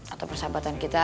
atau persahabatan kita